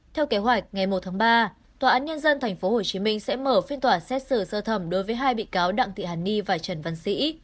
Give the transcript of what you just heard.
theo kế hoạch ngày một tháng ba tòa án nhân dân tp hcm sẽ mở phiên tòa xét xử sơ thẩm đối với hai bị cáo đặng thị hàn ni và trần văn sĩ